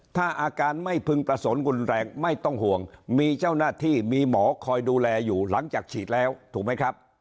ถ้าอาการไม่พึงประสงค์รุนแรงไม่ต้องห่วงมีเจ้าหน้าที่มีหมอคอยดูแลอยู่หลังจากฉีดแล้วถูกไหมครับ